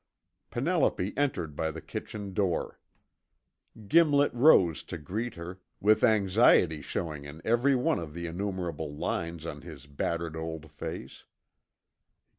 Penelope entered by the kitchen door. Gimlet rose to greet her, with anxiety showing in every one of the enumerable lines on his battered old face.